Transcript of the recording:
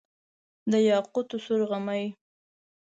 د یاقوتو سور غمی،